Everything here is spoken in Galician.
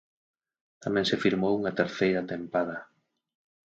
Tamén se firmou unha terceira tempada.